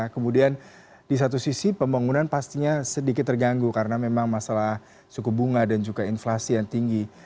kemudian di satu sisi pembangunan pastinya sedikit terganggu karena memang masalah suku bunga dan juga inflasi yang tinggi